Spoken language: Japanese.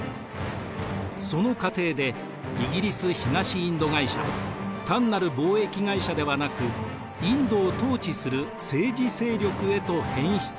その過程でイギリス東インド会社は単なる貿易会社ではなくインドを統治する政治勢力へと変質していきました。